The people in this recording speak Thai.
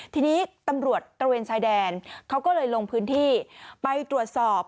ทีนี้ตำรวจตระเวนชายแดนเขาก็เลยลงพื้นที่ไปตรวจสอบ